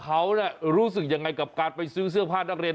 อ้าวเหรอเอาเพื่อ